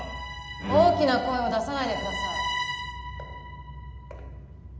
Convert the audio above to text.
・大きな声を出さないでください。